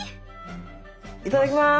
いただきます。